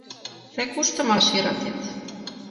Тый кушто малаш йӧратет?